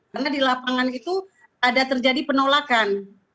karena di lapangan itu ada terjadi penolakan